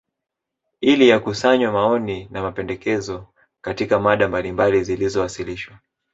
ili yakusanywe maoni na mapendekezo Katika mada mbalimbali zilizowasilishwa